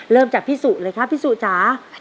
เริ่มจากพี่สุเลยครับพี่สุจ๋า